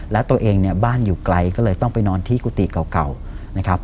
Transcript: แล้วตัวเองเนี่ยบ้านอยู่ไกลก็เลยต้องไปนอนที่กุฏิเก่านะครับ